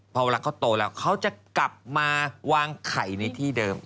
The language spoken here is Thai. พอเวลาเขาโตแล้วเขาจะกลับมาวางไข่ในที่เดิม